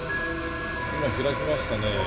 今開きましたね。